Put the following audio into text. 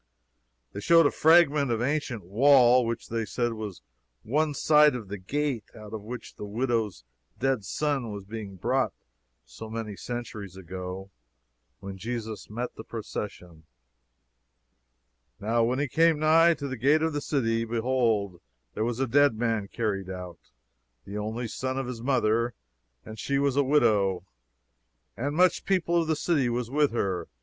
They showed a fragment of ancient wall which they said was one side of the gate out of which the widow's dead son was being brought so many centuries ago when Jesus met the procession: "Now when he came nigh to the gate of the city, behold there was a dead man carried out, the only son of his mother, and she was a widow: and much people of the city was with her.